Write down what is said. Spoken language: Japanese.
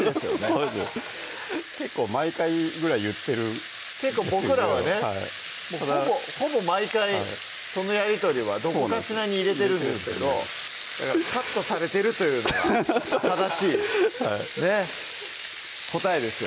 そうです結構毎回ぐらい言ってる結構僕らはねはいほぼ毎回そのやり取りはどこかしらに入れてるんですけどカットされてるというのが悲しいねっ答えですよね